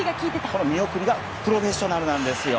この見送りがプロフェッショナルなんですよ。